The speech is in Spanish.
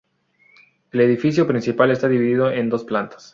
El edificio principal está dividido en dos plantas.